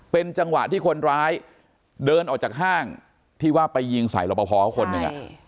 เป็นจังหวะที่คนร้ายเดินออกจากห้างที่ว่าไปยิงใส่รบพอเขาคนหนึ่ง